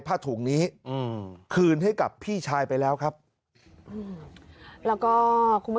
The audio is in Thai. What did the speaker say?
ผ้าถุงนี้อืมคืนให้กับพี่ชายไปแล้วครับอืมแล้วก็คุณแม่